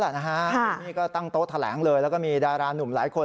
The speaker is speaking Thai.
นี่ก็ตั้งโต๊ะแถลงเลยแล้วก็มีดารานุ่มหลายคน